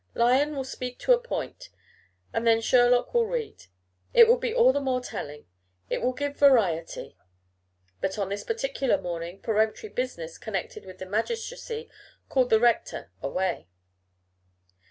Lyon will speak to a point, and then Sherlock will read: it will be all the more telling. It will give variety." But on this particular morning peremptory business connected with the magistracy called the rector away.